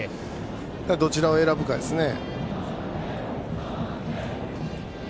どちらを選ぶかですね。